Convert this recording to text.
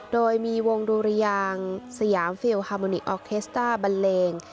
โดยมีวงดูเรียงสยามฟิลฮาร์โมนิคออเคสเตอร์บัลเลง